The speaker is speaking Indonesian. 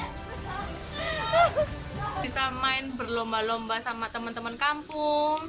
bisa main berlomba lomba sama teman teman kampung